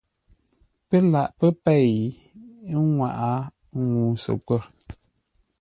Pə́ laghʼ pə́ pěi nŋwáʼa ŋuu səkwə̂r.